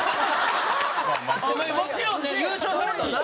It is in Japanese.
もちろんね優勝されてる。